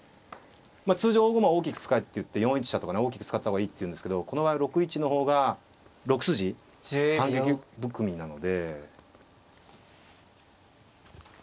まあ通常大駒大きく使えっていって４一飛車とかね大きく使った方がいいっていうんですけどこの場合は６一の方が６筋反撃含みなので。